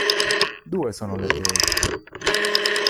Due sono le teorie.